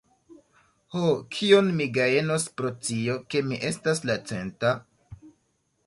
Ho, kion mi gajnos pro tio, ke mi estas la centa?